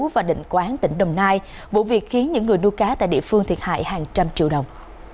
và định quán tỉnh đồng nai vụ việc khiến những người nuôi cá tại địa phương thiệt hại hàng trăm triệu đồng